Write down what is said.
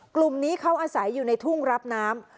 กลุ่มนี้เขาอาศัยอยู่ในทุ่งรับน้ำ